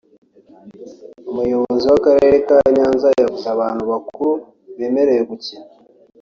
Umuyobozi w’Akarere ka Nyanza yavuze abantu bakuru bemerewe gukina